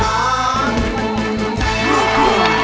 ร้องได้ให้ร้าง